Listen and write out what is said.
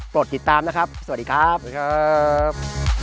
โปรดติดตามนะครับสวัสดีครับ